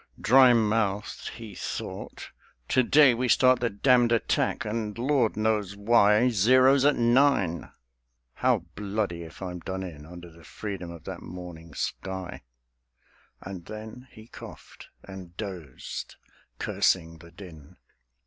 Dry mouthed, he thought, "To day We start the damned attack; and, Lord knows why, Zero's at nine; how bloody if I'm done in Under the freedom of that morning sky!" And then he coughed and dozed, cursing the din.